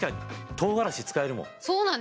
唐辛子使えるもん。